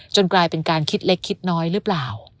กลายเป็นการคิดเล็กคิดน้อยหรือเปล่า